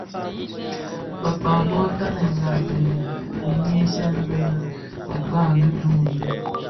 Bekpag bo tanenga di nhyesen bi dhikpaň bi duńzi.